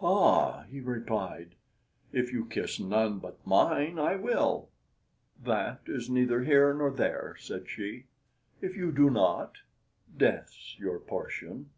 "Ah!" he replied, "if you kiss none but mine, I will." "That is neither here nor there," said she; "if you do not, death's your portion!"